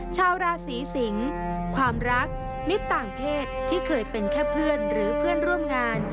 ชาวราศีสิงความรักมิตรต่างเพศที่เคยเป็นแค่เพื่อนหรือเพื่อนร่วมงาน